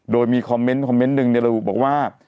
โดยมีคอมเม้นต์คอมเม้นต์หนึ่งเนี่ยเราบอกว่า